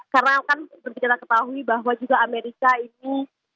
karena kan kita tahu bahwa juga amerika ini